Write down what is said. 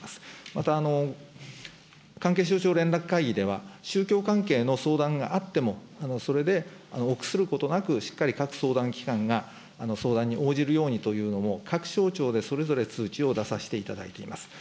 また、関係省庁連絡会議では、宗教関係の相談があっても、それで臆することなく、しっかり各相談機関が相談に応じるようにというのも、各省庁でそれぞれ通知を出させていただいています。